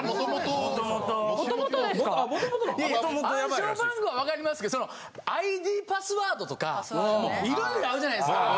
暗証番号は分かりますけどＩＤパスワードとか色々あるじゃないですか。